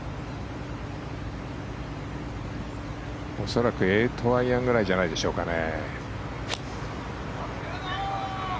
恐らく８アイアンぐらいじゃないでしょうかね。